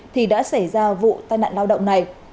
thì đã xảy ra vụ tai nạn lao động này